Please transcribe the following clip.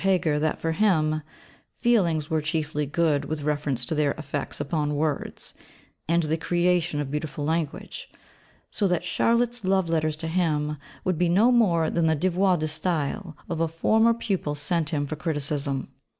Heger that for him, feelings were chiefly good with reference to their effects upon words, and the creation of beautiful language so that Charlotte's love letters to him would be no more than the 'Devoirs de Style' of a former pupil sent him for criticism.